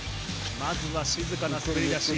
まずは静かな滑り出し